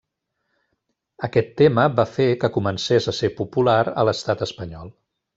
Aquest tema va fer que comencés a ser popular a l'Estat espanyol.